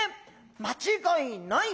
間違いない！